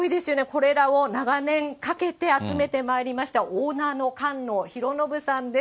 これらを長年かけて集めてまいりました、オーナーの菅野広宣さんです。